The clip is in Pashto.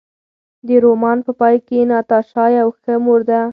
د رومان په پای کې ناتاشا یوه ښه مور شوه.